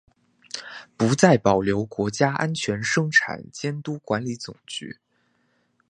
不再保留国家安全生产监督管理总局。